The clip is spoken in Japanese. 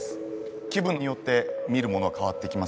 気分によって見るものは変わってきますけど